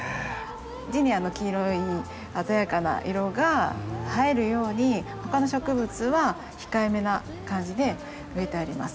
ジニアの黄色い鮮やかな色が映えるように他の植物は控えめな感じで植えてあります。